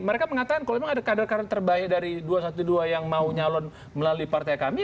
mereka mengatakan kalau memang ada kader kader terbaik dari dua ratus dua belas yang mau nyalon melalui partai kami